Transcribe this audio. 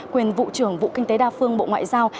quyền vụ trưởng vụ kinh tế đa phương bộ ngoại giao